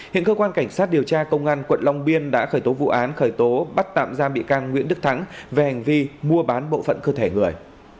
hiện cơ quan cảnh sát điều tra công an quận long biên đã khởi tố vụ án khởi tố bắt tạm giam bị can nguyễn đức thắng về hành vi mua bán bộ phận cơ thể người